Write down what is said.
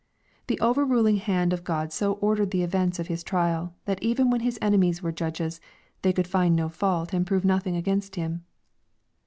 The over ruling hand of God so ordered the events of His trial, that even when His enemies were judges, they could find no fault and prove nothing against Him.